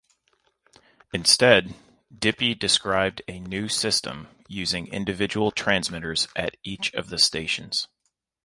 Instead, Dippy described a new system using individual transmitters at each of the stations.